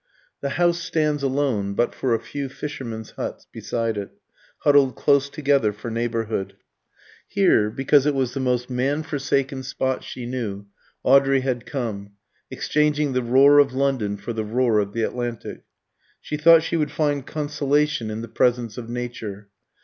The house stands alone but for a few fishermen's huts beside it, huddled close together for neighbourhood. Here, because it was the most man forsaken spot she knew, Audrey had come, exchanging the roar of London for the roar of the Atlantic. She thought she would find consolation in the presence of Nature.